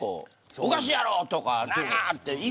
おかしいやろとか。